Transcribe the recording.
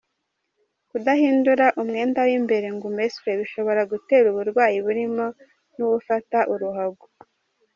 Kudahindura umwenda w’imbere ngo umeswe bishobora gutera uburwayi burimo n’ubufata uruhago.